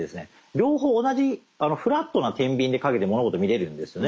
両方同じフラットなてんびんにかけて物事見れるんですよね。